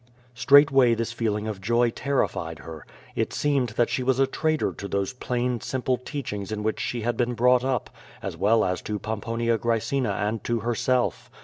Straightway this feeling of joy terrified her. It seemed that she was a traitor to those plain, simple teachings in which she had been brought up, as well as to Pomponia Grae cina and to herself.